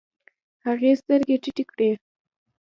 هغې سترګې ټيټې کړې.